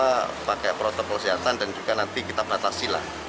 kita pakai protokol kesehatan dan juga nanti kita batasi lah